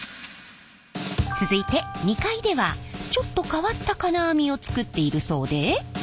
続いて２階ではちょっと変わった金網を作っているそうで。